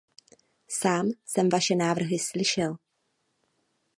Sám jsem vaše návrhy slyšel.